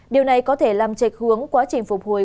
điều này có thể làm trạch hướng quá trình phục hồi